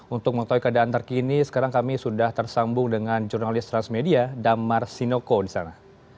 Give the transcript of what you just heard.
untuk mengetahui keadaan terkini sekarang kami sudah tersambung dengan jurnalis transmedia damar sinoko di sana